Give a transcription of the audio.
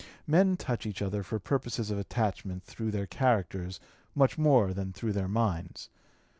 Men touch each other for purposes of attachment through their characters much more than through their minds.